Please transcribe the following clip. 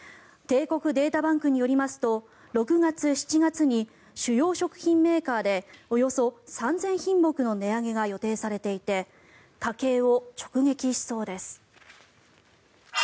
帝国データバンクによりますと６月、７月に主要食品メーカーでおよそ３０００品目の値上げが予定されていて家計を直撃しそうです。